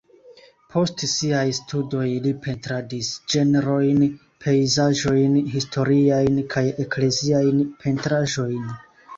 Post siaj studoj li pentradis ĝenrojn, pejzaĝojn, historiajn kaj ekleziajn pentraĵojn.